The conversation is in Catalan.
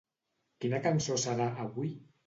Quina cançó serà, avui?